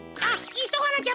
いそがなきゃ！